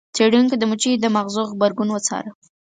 څیړونکو د مچیو د ماغزو غبرګون وڅاره.